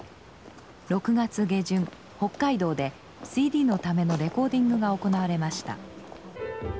６月下旬北海道でＣＤのためのレコーディングが行われました。